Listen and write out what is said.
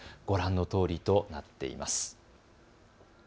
ご覧のとおりとなっています。